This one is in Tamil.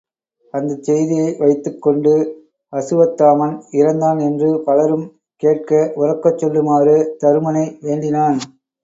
அந்தச் செய்தியை வைத்துக் கொண்டு அசுவத்தாமன் இறந்தான் என்று பலரும் கேட்க உரக்கச் சொல்லுமாறு தருமனை வேண்டினான்.